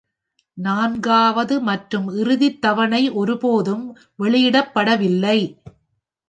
நான்காவது மற்றும் இறுதி தவணை ஒருபோதும் வெளியிடப்படவில்லை.